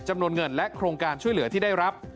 จำนวนเงินและโครงการช่วยเหลือที่ได้รับ